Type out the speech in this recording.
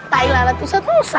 tai lara pusa mursa